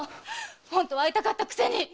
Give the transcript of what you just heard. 本当は会いたかったくせに！